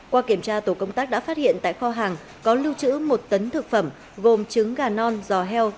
qua kiểm tra tổ công tác đã phát hiện tại kho hàng có lưu trữ một tấn thực phẩm gồm trứng gà non giò heo